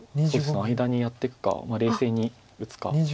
間にやっていくか冷静に打つか。